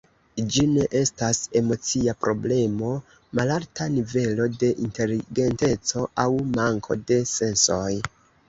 Ĝi ne estas emocia problemo, malalta nivelo de inteligenteco aŭ manko de sensoj.